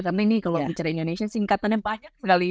karena ini kalau bicara indonesia singkatannya banyak